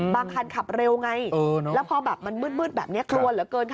บางคันขับเร็วไงแล้วพอมันมืดแบบนี้คลวนเหลือเกิน